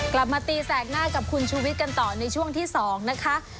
กลับมาตีแสกหน้ากับคุณชูวิทย์กันต่อในช่วงที่๒นะคะ